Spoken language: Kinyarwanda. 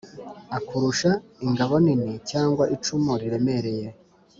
akurusha ingabo nini cyangwa icumu riremereye;